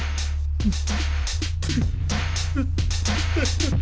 うん。